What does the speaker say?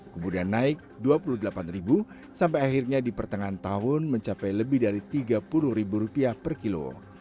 kemudian naik rp dua puluh delapan sampai akhirnya di pertengahan tahun mencapai lebih dari rp tiga puluh per kilo